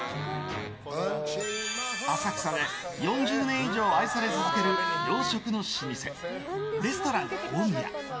浅草で４０年以上愛され続ける洋食の老舗、レストラン大宮。